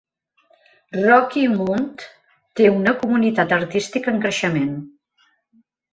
Rocky Mount té una comunitat artística en creixement.